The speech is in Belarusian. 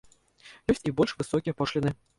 Ёсць і больш высокія пошліны.